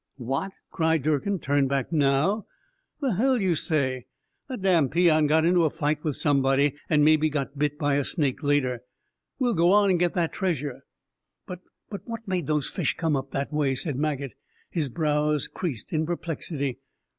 "What?" cried Durkin. "Turn back now? The hell you say! That damn peon got into a fight with somebody and maybe got bit by a snake later. We'll go on and get that treasure." "But but what made those fish come up that way?" said Maget, his brows creased in perplexity.